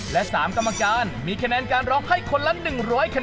และ๓กรรมการมีคะแนนการร้องให้คนละ๑๐๐แน